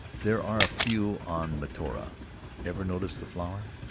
There were a few on Mataora. Ever notice the flower?